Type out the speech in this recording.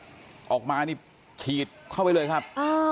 เห็นจุดไฟออกมานี่ฉีดเข้าไปเลยครับ